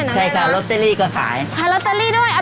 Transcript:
ใช่ค่ะ